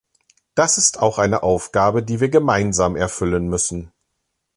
Das ist auch eine Aufgabe, die wir gemeinsam erfüllen müssen.